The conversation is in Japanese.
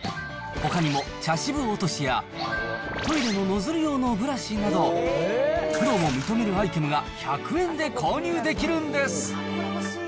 ほかにも茶渋落としや、トイレのノズル用のブラシなど、プロも認めるアイテムが１００円で購入できるんです。